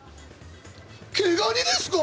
毛ガニですか？